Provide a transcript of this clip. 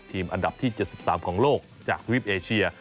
อันดับที่๗๓ของโลกจากทวิปเอเชีย